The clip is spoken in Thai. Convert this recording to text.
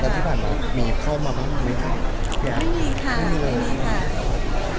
แล้วที่ฝ่ายมองมีเข้ามามากมายไหมคะ